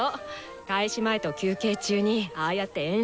開始前と休憩中にああやって演奏してくれるの。